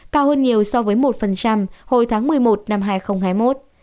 cao hơn nhiều so với một hồi tháng một mươi một năm hai nghìn hai mươi một